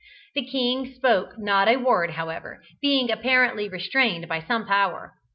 The king spoke not a word, however, being apparently restrained by some power.